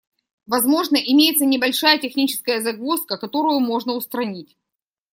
Возможно, имеется небольшая техническая загвоздка, которую можно устранить.